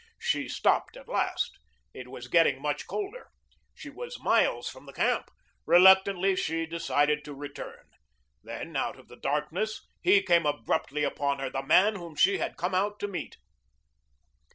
She stopped at last. It was getting much colder. She was miles from the camp. Reluctantly she decided to return. Then, out of the darkness, he came abruptly upon her, the man whom she had come out to meet.